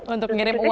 untuk ngirim uang ya